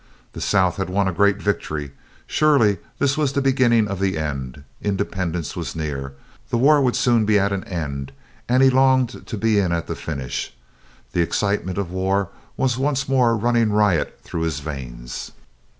The South had won a great victory. Surely this was the beginning of the end. Independence was near, the war would soon be at an end, and he longed to be in at the finish. The excitement of war was once more running riot through his veins.